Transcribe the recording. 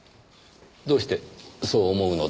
どうしてそう思うのですか？